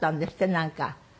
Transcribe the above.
なんか。